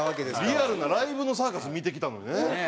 リアルなライブのサーカス見てきたのにね。